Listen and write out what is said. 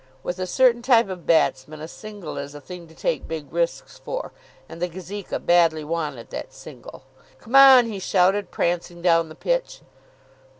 With a certain type of batsman a single is a thing to take big risks for. And the Gazeka badly wanted that single. "Come on," he shouted, prancing down the pitch.